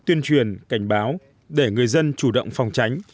tuyên truyền cảnh báo để người dân chủ động phòng tránh